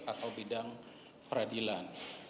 atau bidang peradilan